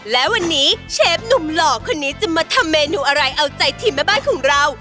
และวันนี้เชฟหนุ่มหล่อคนนี้จะมาทำเมนูอะไรเอาใจทีมแม่บ้านของเรา